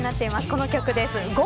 この曲です。